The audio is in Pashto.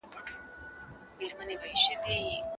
لیک پوره نه دی.